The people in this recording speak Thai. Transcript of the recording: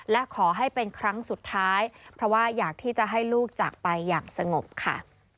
และขอให้เป็นครั้งสุดท้ายเพราะว่าอยากที่จะให้ลูกจากไปอย่างสงบค่ะ